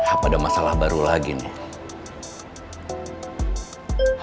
apa ada masalah baru lagi nih